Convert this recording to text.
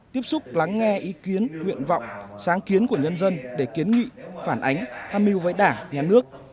tiếp xúc lắng nghe ý kiến nguyện vọng sáng kiến của nhân dân để kiến nghị phản ánh tham mưu với đảng nhà nước